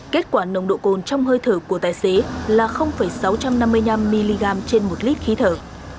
kết quả nồng độ cồn trong hơi thở của tài xế là sáu trăm năm mươi năm mg trên một lít khí thở